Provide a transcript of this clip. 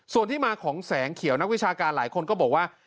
ส่วนที่มาของแสงเขียวนักวิชาการหลายคนก็บอกว่า